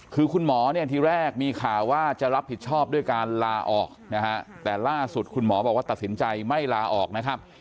คือคุณหมอเนี่ยทีแรกมีข่าวว่าจะรับผิดชอบด้วยการลาออกนะฮะแต่ล่าสุดคุณหมอบอกว่าตัดสินใจไม่ลาออกนะครับ